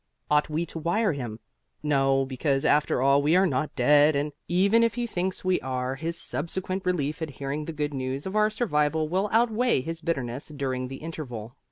Ought we to wire him? No, because after all we are not dead, and even if he thinks we are, his subsequent relief at hearing the good news of our survival will outweigh his bitterness during the interval.